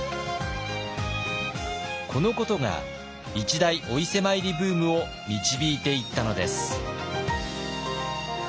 このことが一大お伊勢参りブームを導いていったのです。